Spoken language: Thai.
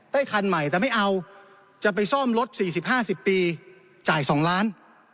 คันใหม่แต่ไม่เอาจะไปซ่อมรถ๔๐๕๐ปีจ่าย๒ล้าน